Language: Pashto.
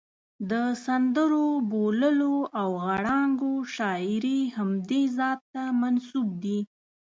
د سندرو، بوللو او غړانګو شاعري همدې ذات ته منسوب دي.